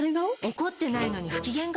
怒ってないのに不機嫌顔？